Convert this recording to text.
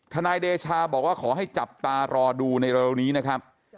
นายเดชาบอกว่าขอให้จับตารอดูในเร็วนี้นะครับ